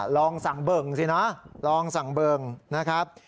ลองสั่งเบิ่งสินะลองสั่งเบิ่งนะครับ